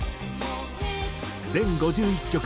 全５１曲